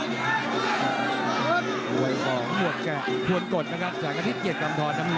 โดยของหวดแกะหวดกดนะครับแสงกะทิตเย็ดกำทอดน้ำเงิน